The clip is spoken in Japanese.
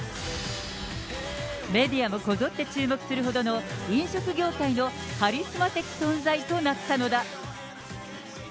メディアもこぞって注目するほどの、飲食業界のカリスマ的存在となったのだ。